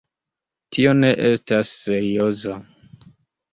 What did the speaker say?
Tio ne estas serioza.